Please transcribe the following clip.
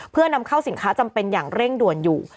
เพื่อนำเข้าสินค้าจำเป็นอย่างเร่งด่วนอยู่